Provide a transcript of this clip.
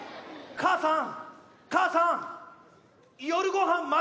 母さん！